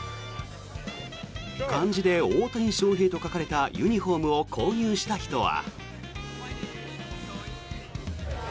漢字で大谷翔平と書かれたユニホームを購入した人は。